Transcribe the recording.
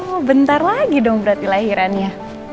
oh bentar lagi dong berarti lahirannya